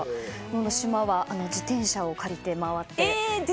島は自転車を借りて回って。